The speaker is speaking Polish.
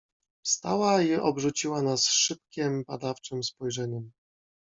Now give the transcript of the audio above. "Wstała i obrzuciła nas szybkiem, badawczem spojrzeniem."